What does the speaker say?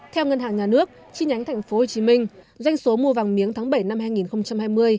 theo ngân hàng nhà nước chi nhánh tp hcm doanh số mua vàng miếng tháng bảy năm hai nghìn hai mươi